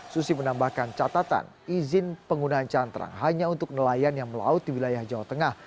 susi menambahkan catatan izin penggunaan cantrang hanya untuk nelayan yang melaut di wilayah jawa tengah